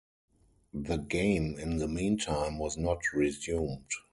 The game, in the meantime, was not resumed.